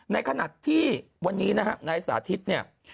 ในขณะที่วันนี้นะฮะนายสาธิตเนี่ย